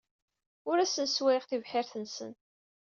Ur asen-sswayeɣ tibḥirt-nsen.